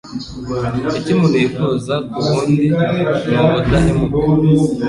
Icyo umuntu yifuza ku wundi ni ubudahemuka